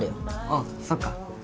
ああそっか。